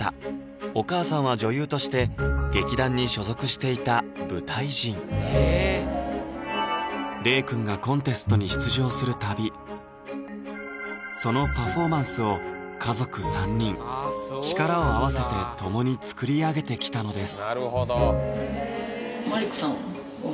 お母さんは女優として劇団に所属していた舞台人そのパフォーマンスを家族３人力を合わせて共に作り上げてきたのです